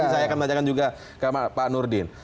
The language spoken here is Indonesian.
saya akan tanyakan juga ke pak nurdin